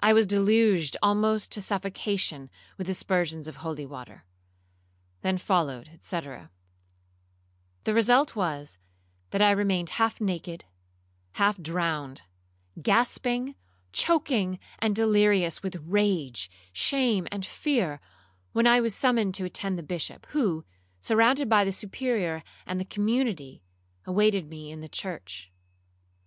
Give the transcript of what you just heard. I was deluged almost to suffocation with aspersions of holy water. Then followed, &c. 'The result was, that I remained half naked, half drowned, gasping, choaking, and delirious with rage, shame, and fear, when I was summoned to attend the Bishop, who, surrounded by the Superior and the community, awaited me in the church.